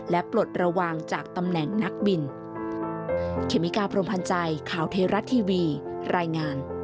และปลดระวังจากตำแหน่งนักบิน